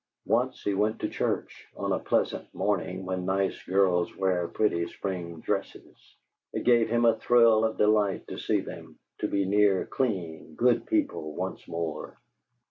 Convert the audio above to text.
Once he went to church, on a pleasant morning when nice girls wear pretty spring dresses; it gave him a thrill of delight to see them, to be near clean, good people once more.